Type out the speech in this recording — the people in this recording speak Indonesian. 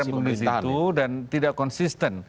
masih bergabung di situ dan tidak konsisten